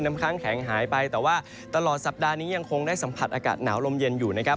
ค้างแข็งหายไปแต่ว่าตลอดสัปดาห์นี้ยังคงได้สัมผัสอากาศหนาวลมเย็นอยู่นะครับ